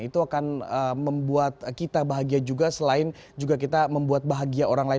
itu akan membuat kita bahagia juga selain juga kita membuat bahagia orang lain